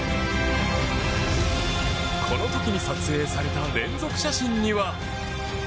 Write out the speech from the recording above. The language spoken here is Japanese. この時に撮影された連続写真には。